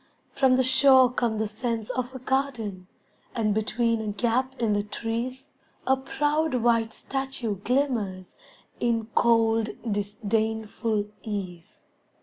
From the shore come the scents of a garden, And between a gap in the trees A proud white statue glimmers In cold, disdainful ease.